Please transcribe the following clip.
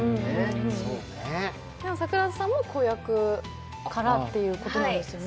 桜田さんも子役からってことなんですよね。